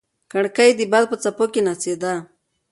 کړکۍ د باد په څپو کې ناڅېده.